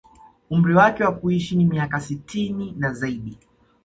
Umri wake wa kuishi ni miaka sitini na zaidi